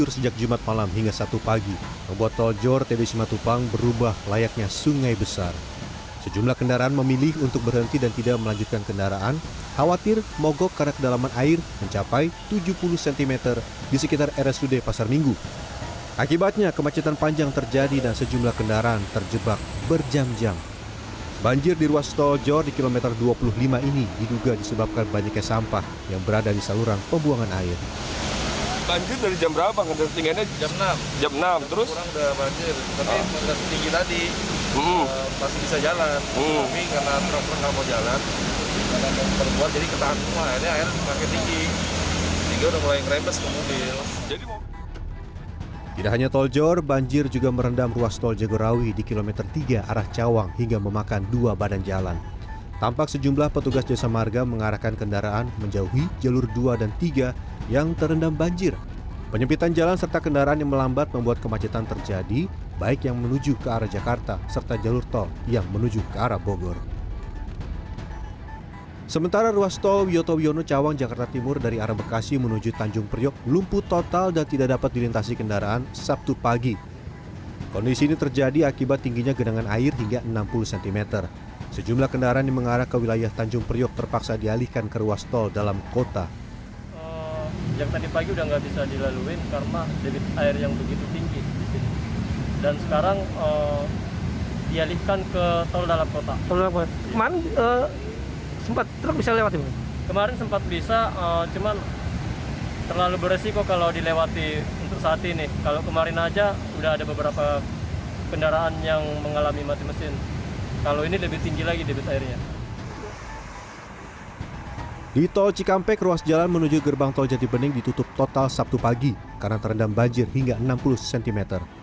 cikampek ruas jalan menuju gerbang tol jati bening ditutup total sabtu pagi karena terendam banjir hingga enam puluh cm